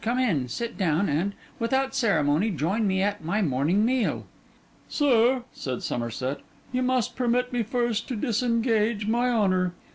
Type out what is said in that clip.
Come in, sit down, and, without ceremony, join me at my morning meal.' 'Sir,' said Somerset, 'you must permit me first to disengage my honour.